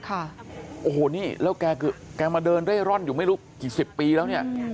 ค่ะโอ้โหนี่แล้วแกมาเดินเร่ร่อนอยู่ไม่รู้กี่สิบปีแล้วเนี่ย